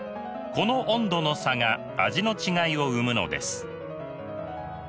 この温度の差が味の違いを生むのです。